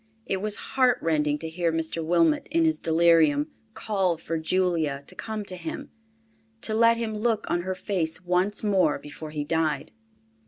It was heartrending to hear Mr. Wilmot in his delirium, call for Julia to come to him—to let him look on her face once more before he died.